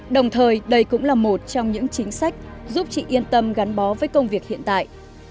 đồng thời đây cũng là một trong những chính sách giúp chị yên tâm gắn bó với công việc hiện tại